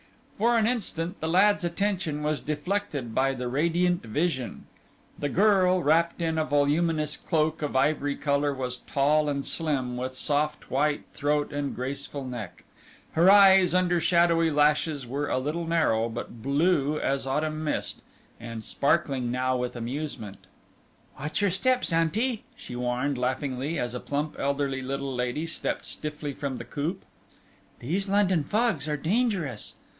For an instant the lad's attention was deflected by the radiant vision. The girl, wrapped in a voluminous cloak of ivory colour, was tall and slim, with soft white throat and graceful neck; her eyes under shadowy lashes were a little narrow, but blue as autumn mist, and sparkling now with amusement. "Watch your steps, auntie," she warned laughingly, as a plump, elderly, little lady stepped stiffly from the coupe. "These London fogs are dangerous."